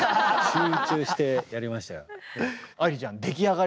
集中してやりましたよ。